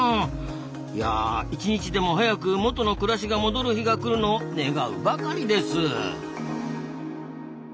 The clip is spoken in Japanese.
いやあ一日でも早く元の暮らしが戻る日が来るのを願うばかりです。